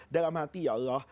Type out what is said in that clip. dalam hati ya allah